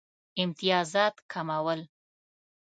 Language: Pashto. امتیازات کمول.